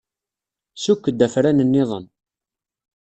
Sukk-d afran-nniḍen.